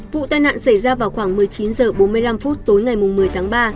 vụ tai nạn xảy ra vào khoảng một mươi chín h bốn mươi năm tối ngày một mươi tháng ba